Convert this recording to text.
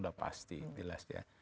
sudah pasti jelas dia